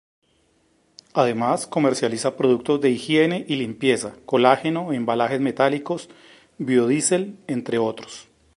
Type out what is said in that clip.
Además, comercializa productos de higiene y limpieza, colágeno, embalajes metálicos, biodiesel, entre otros.